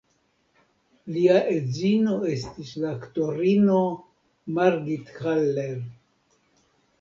Lia edzino estis la aktorino Margit Haller.